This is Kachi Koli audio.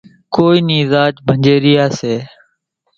ڪونئين نِي زاچ ڀنڄيريا سي۔